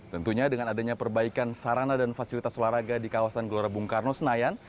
tentunya dengan adanya perbaikan sarana dan fasilitas olahraga di kawasan gelora bung karno senayan